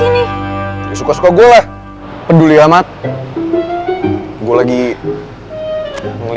mampengi pun ini